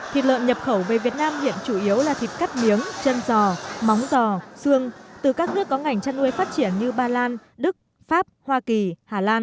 thịt lợn nhập khẩu về việt nam hiện chủ yếu là thịt cắt miếng chân giò móng giò xương từ các nước có ngành chăn nuôi phát triển như ba lan đức pháp hoa kỳ hà lan